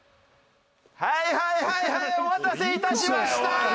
はいはいはいはいお待たせ致しました！